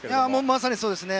まさにそうですね。